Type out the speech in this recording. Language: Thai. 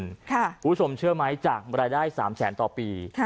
คุณผู้ชมเชื่อไหมจากรายได้๓แสนต่อปี